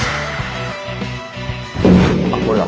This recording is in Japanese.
あっこれだ。